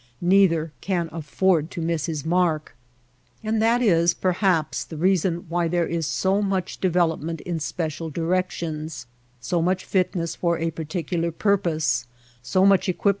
Neither can afford to miss his mark. And that is perhaps the reason why there is so much development in special directions, so much fitness for a par ticular purpose, so much equipment for the Lean, gaunt l^e.